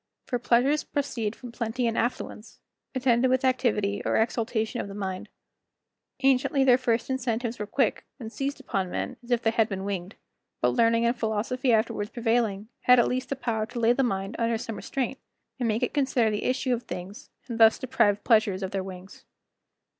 For pleasures proceed from plenty and affluence, attended with activity or exultation of the mind. Anciently their first incentives were quick, and seized upon men as if they had been winged, but learning and philosophy afterwards prevailing, had at least the power to lay the mind under some restraint, and make it consider the issue of things, and thus deprived pleasures of their wings.